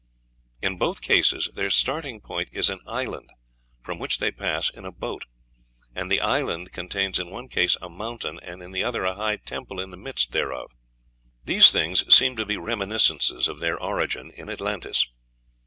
In both cases their starting point is an island, from which they pass in a boat; and the island contains in one case a mountain, and in the other a high temple in the midst thereof. These things seem to be reminiscences of their origin in Atlantis.